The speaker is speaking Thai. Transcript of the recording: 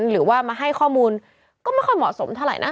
หรือว่ามาให้ข้อมูลก็ไม่ค่อยเหมาะสมเท่าไหร่นะ